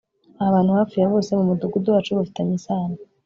Abantu hafi ya bose mumudugudu wacu bafitanye isano